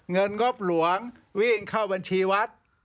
งบหลวงวิ่งเข้าบัญชีวัด